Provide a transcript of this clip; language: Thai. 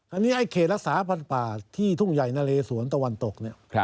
อันนี้ไอ้เขตรักษาพันธ์ป่าที่ทุ่งใหญ่นะเลสวนตะวันตกเนี่ย